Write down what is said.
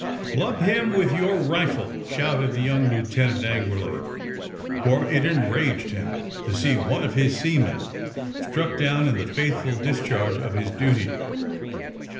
"Club him with your rifle!" shouted the young lieutenant angrily, for it enraged him to see one of his seaman struck down in the faith ful discharge of his duty.